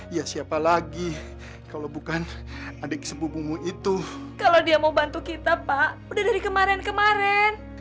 iya siapa lagi kalau bukan adek sebelum itu kalau dia mau bantu kita pak dari kemarin kemarin